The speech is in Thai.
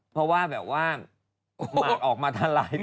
เพราะว่าแบบว่าหมากออกมาทะลาย